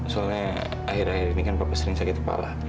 soalnya akhir akhir ini kan bapak sering sakit kepala